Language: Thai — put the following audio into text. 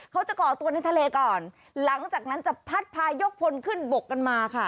ก่อตัวในทะเลก่อนหลังจากนั้นจะพัดพายกพลขึ้นบกกันมาค่ะ